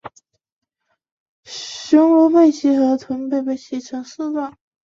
雄鱼背鳍和臀鳍鳍条延伸呈丝状。